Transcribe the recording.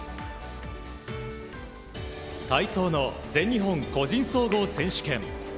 体操の全日本個人総合選手権。